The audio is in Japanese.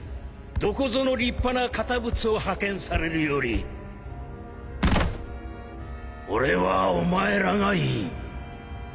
どこぞの立派な堅物を派遣されるより俺はお前らがいい